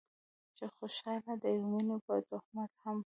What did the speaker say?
چې خوشحاله يو د مينې په تهمت هم